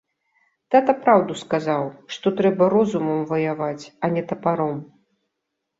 Тата праўду сказаў, што трэба розумам ваяваць, а не тапаром.